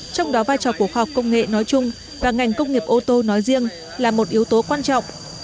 trong đó vai trò của khoa học công nghệ nói chung và ngành công nghiệp ô tô nói riêng là một yếu tố quan trọng